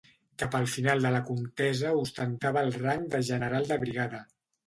Cap al final de la contesa ostentava el rang de general de brigada.